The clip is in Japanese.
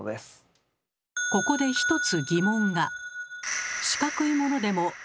ここで１つ疑問が。